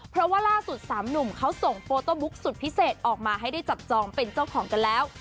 เพราะว่าล่าสุดสามหนุ่มเขาส่งโฟโต้บุ๊กสุดพิเศษออกมาให้ได้จับจองเป็นเจ้าของกันแล้ว